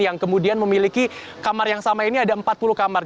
yang kemudian memiliki kamar yang sama ini ada empat puluh kamar